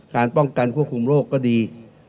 การป้องกันควบคุมโรคก็ดี